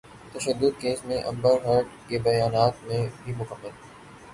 تشدد کیس میں Amber Heard کے بیانات بھی مکمل